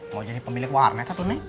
mau jadi pemilik warnet nek